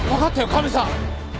カメさん！